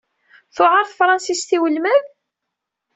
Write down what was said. Tewɛeṛ tefṛensist i welmad?